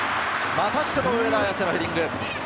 またしても上田綺世のヘディング！